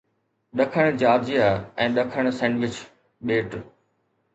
ڏکڻ جارجيا ۽ ڏکڻ سينڊوچ ٻيٽ